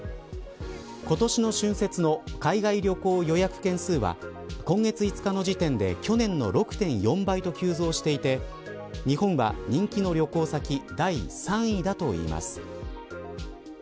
今年の春節の海外旅行予約件数は今月５日の時点で去年の６．４倍と急増していて日本は、人気の旅行先第３位だといいます。